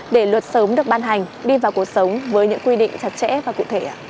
để luật sớm được ban hành đi vào cuộc sống với những quy định chặt chẽ và cụ thể